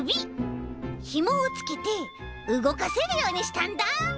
ひもをつけてうごかせるようにしたんだ。